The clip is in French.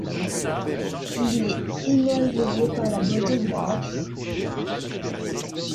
Il est émerveillé par la beauté de la nature.